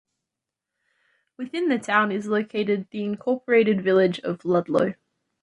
Within the town is located the incorporated village of Ludlow.